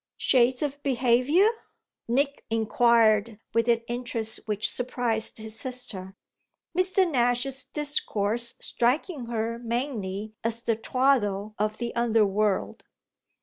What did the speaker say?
"Shades of behaviour?" Nick inquired with an interest which surprised his sister, Mr. Nash's discourse striking her mainly as the twaddle of the under world.